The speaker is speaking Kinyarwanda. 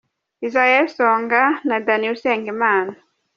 Isae Songa na Danny Usengimana.